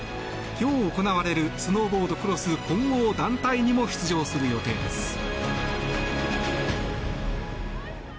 今日、行われるスノーボードクロス混合団体にも出場する予定です。